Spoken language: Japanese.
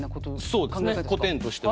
そうですね古典としては。